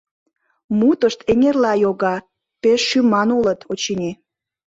Мутышт эҥерла йога, пеш шӱман улыт, очыни.